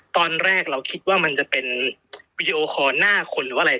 ตอนแรกเราคิดว่ามันจะเป็นวีดีโอคอลหน้าคนหรือว่าอะไร